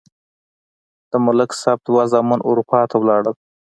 د ملک صاحب دوه زامن اروپا ته لاړل.